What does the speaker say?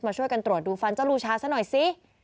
ช่วยกันตรวจดูฟันเจ้าลูชาซะหน่อยสิ